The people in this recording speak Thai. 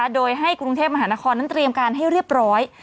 โดยให้กรุงเทพมหานครนั้นเตรียมการให้เรียบร้อย